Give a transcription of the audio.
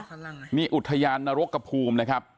นี่ครับมีอุทยานนรกกับภูมินะครับ